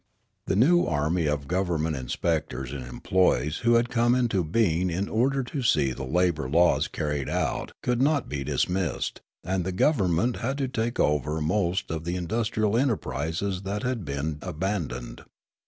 The new army of government inspectors and em ployees who had come into being in order to see the labour laws carried out could not be dismissed ; and the government had to take over most of the industrial enterprises that had been abandoned.